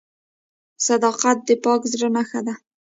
• صداقت د پاک زړه نښه ده.